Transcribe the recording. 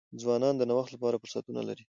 ځوانان د نوښت لپاره فرصتونه لري.